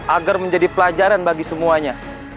agar menjadi pelajaran bagi semuanya